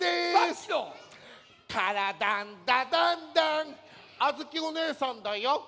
「からだダンダンダン」あづきおねえさんだよ。